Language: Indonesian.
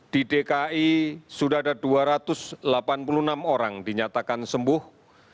di dki sudah ada dua ratus delapan puluh enam orang dinyatakan sembuh